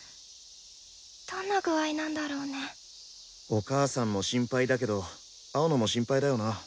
お母さんも心配だけど青野も心配だよな。